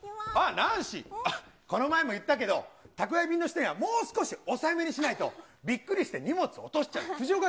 ナンシー、この前も言ったけど、宅配便の人には、もう少し抑えめにしないと、びっくりして荷物落としちゃうから。